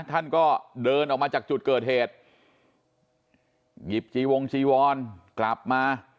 ท่านก็เดินออกมาจากจุดเกิดเหตุหยิบจีวงจีวรกลับมา